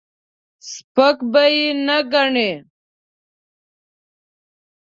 سپک به یې نه ګڼې.